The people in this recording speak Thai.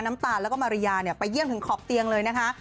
น้ำตาลแล้วก็มาริยาไปเยี่ยมถึงขอบเตียงเลยนะคะ